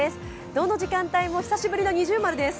どの時間帯も久しぶりの二重丸です。